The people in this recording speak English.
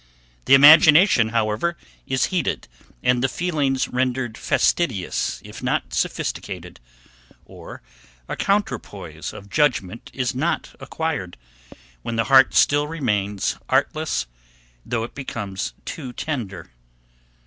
The imagination, however, is heated, and the feelings rendered fastidious, if not sophisticated; or, a counterpoise of judgment is not acquired, when the heart still remains artless, though it becomes too tender.